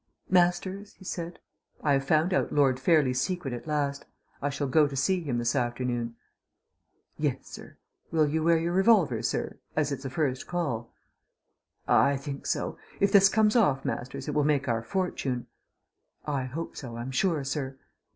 "Masters," he said, "I have found out Lord Fairlie's secret at last. I shall go to see him this afternoon." "Yes, sir. Will you wear your revolver, sir, as it's a first call?" "I think so. If this comes off, Masters, it will make our fortune." "I hope so, I'm sure, sir."